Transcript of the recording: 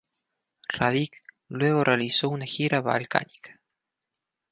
Radić luego realizó una gira balcánica.